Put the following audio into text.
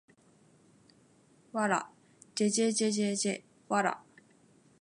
ｗ じぇじぇじぇじぇ ｗ